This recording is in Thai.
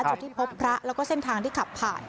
จุดที่พบพระแล้วก็เส้นทางที่ขับผ่าน